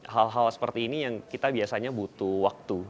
hal hal seperti ini yang kita biasanya butuh waktu